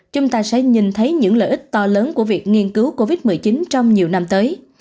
chúng ta sẽ nhìn thấy những lợi ích to lớn của việc nghiên cứu covid một mươi chín trong nhiều năm tới